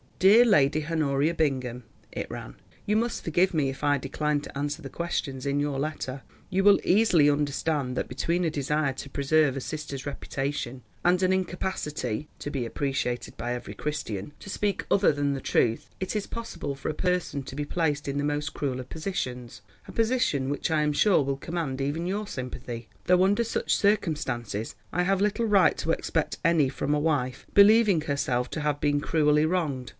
"DEAR LADY HONORIA BINGHAM," it ran, "you must forgive me if I decline to answer the questions in your letter. You will easily understand that between a desire to preserve a sister's reputation and an incapacity (to be appreciated by every Christian) to speak other than the truth—it is possible for a person to be placed in the most cruel of positions—a position which I am sure will command even your sympathy, though under such circumstances I have little right to expect any from a wife believing herself to have been cruelly wronged.